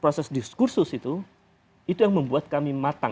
proses diskursus itu itu yang membuat kami matang